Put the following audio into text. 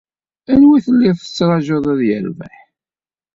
Anwa i telliḍ tettraǧuḍ ad yerbeḥ?